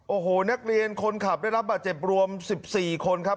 โอ้โหนักเรียนคนขับได้รับบาดเจ็บรวม๑๔คนครับ